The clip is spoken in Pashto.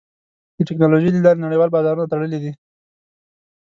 د ټکنالوجۍ له لارې نړیوال بازارونه تړلي دي.